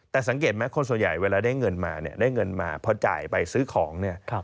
แต่สังเกตไหมคนส่วนใหญ่เวลาได้เงินมาเนี่ยได้เงินมาพอจ่ายไปซื้อของเนี่ย